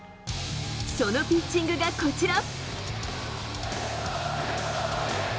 そのピッチングがこちら。